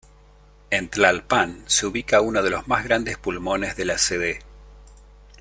En Tlalpan se ubica uno de los más grandes pulmones de la Cd.